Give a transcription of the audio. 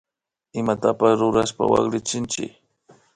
Imatapash rurashpa waklichinchik